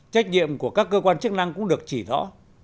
trách nhiệm của các cơ quan chức năng cũng được chỉ rõ